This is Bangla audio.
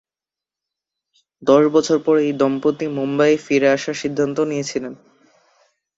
দশ বছর পর এই দম্পতি মুম্বইয়ে ফিরে আসার সিদ্ধান্ত নিয়েছিলেন।